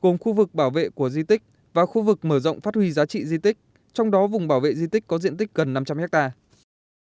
gồm khu vực bảo vệ của di tích và khu vực mở rộng phát huy giá trị di tích trong đó vùng bảo vệ di tích có diện tích gần năm trăm linh hectare